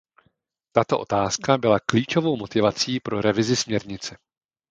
Tato otázka byla klíčovou motivací pro revizi směrnice.